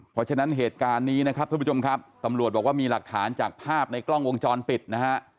เพราะฉะนั้นเหตุการณ์นี้นะครับท่านผู้ชมครับตำรวจบอกว่ามีหลักฐานจากภาพในกล้องวงจรปิดนะฮะ